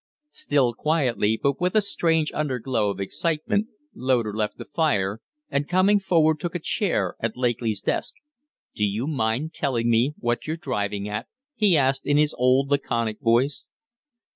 Still quietly, but with a strange underglow of excitement, Loder left the fire, and, coming forward, took a chair at Lakely's desk. "Do you mind telling me what you're driving at?" he asked, in his old, laconic voice.